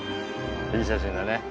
いい写真だね